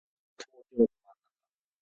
東京のど真ん中